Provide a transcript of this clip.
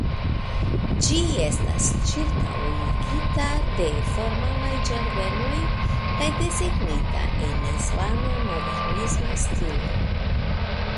Ĝi estas ĉirkaŭigita de formalaj ĝardenoj kaj desegnita en islama modernisma stilo.